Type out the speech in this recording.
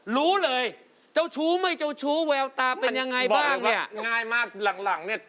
รู้เลยเจ้าชู้ไม่เจ้าชู้แววตาเป็นยังไงบ้างเนี่ยง่ายมากหลังหลังเนี่ย